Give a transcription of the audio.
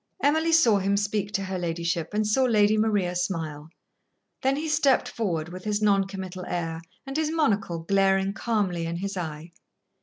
Emily saw him speak to her ladyship and saw Lady Maria smile. Then he stepped forward, with his non committal air and his monocle glaring calmly in his eye.